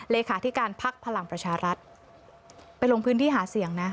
เลขาธิการพักพลังประชารัฐไปลงพื้นที่หาเสียงนะ